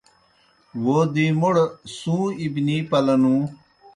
وو دی موْڑ سُوں اِبنِی پلہ نُوں۔